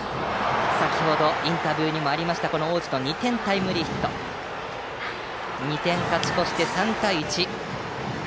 先程、インタビューにもあった大路の２点タイムリーヒットで２点を勝ち越して、３対１。